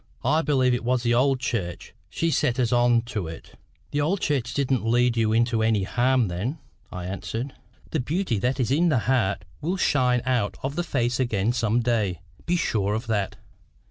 I believe it was the old church she set us on to it." "The old church didn't lead you into any harm then," I answered. "The beauty that is in the heart will shine out of the face again some day be sure of that.